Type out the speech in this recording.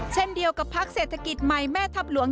เช่นเดียวกับพักเศรษฐกิจใหม่แม่ทัพหลวง